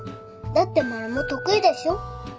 だってマルモ得意でしょ。